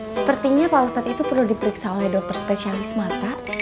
sepertinya pak ustadz itu perlu diperiksa oleh dokter spesialis mata